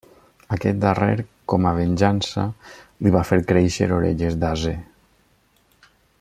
Aquest darrer, com a venjança, li va fer créixer orelles d'ase.